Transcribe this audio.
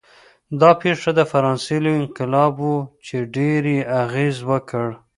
دا پېښه د فرانسې لوی انقلاب و چې ډېر یې اغېز وکړ.